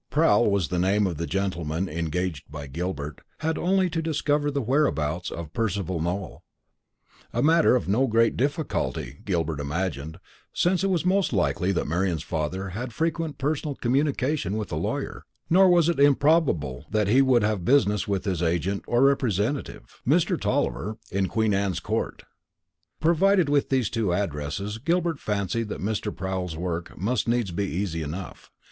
Mr. Proul (Proul was the name of the gentleman engaged by Gilbert) had only to discover the whereabouts of Percival Nowell; a matter of no great difficulty, Gilbert imagined, since it was most likely that Marian's father had frequent personal communication with the lawyer; nor was it improbable that he would have business with his agent or representative, Mr. Tulliver, in Queen Anne's Court. Provided with these two addresses, Gilbert fancied that Mr. Proul's work must needs be easy enough.